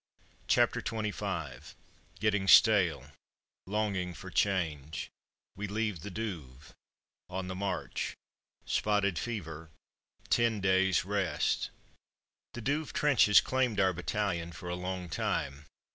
CHAPTER XXV GETTING STALE LONGING FOR CHANGE WE LEAVE THE DOUVE ON THE MARCH SPOTTED FEVER TEN DAYS' REST The Douve trenches claimed our battalion for a long time.